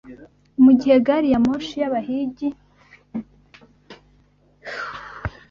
mugihe gari ya moshi yabahigi